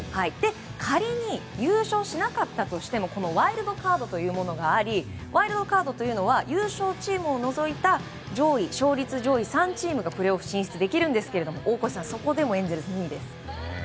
仮に、優勝しなかったとしてもワイルドカードというものがありワイルドカードというのは優勝チームを除いた勝率上位３チームがプレーオフ進出できるんですが大越さん、そこでもエンゼルス、２位です。